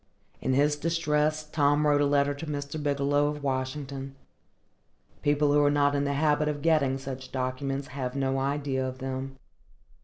In his distress, Tom wrote a letter to Mr. Bigelow, of Washington. People who are not in the habit of getting such documents have no idea of them.